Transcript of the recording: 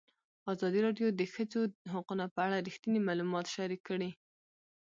ازادي راډیو د د ښځو حقونه په اړه رښتیني معلومات شریک کړي.